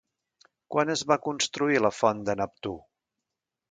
Quan es va construir la font de Neptú?